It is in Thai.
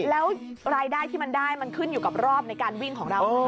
แล้วรายได้ที่มันได้มันขึ้นอยู่กับรอบในการวิ่งของเรา